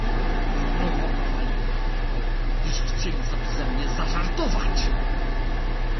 "Sprowokowali mnie do tego, gdyż chcieli sobie ze mnie zażartować!"